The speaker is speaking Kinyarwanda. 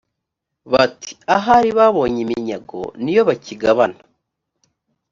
bati ahari babonye iminyago ni yo bakigabana